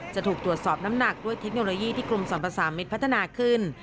จะถูกตรวจสอบน้ำหนักด้วยเทคโนโลยีที่กรมสรรพสามิตรพัฒนาขึ้น